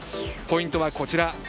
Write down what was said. ポイントはこちら。